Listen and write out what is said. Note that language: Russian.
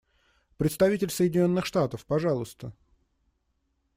Представитель Соединенных Штатов, пожалуйста.